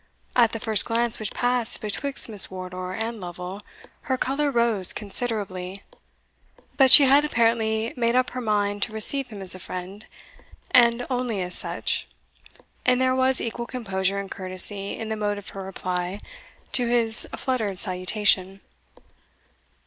At the first glance which passed betwixt Miss Wardour and Lovel, her colour rose considerably; but she had apparently made up her mind to receive him as a friend, and only as such, and there was equal composure and courtesy in the mode of her reply to his fluttered salutation.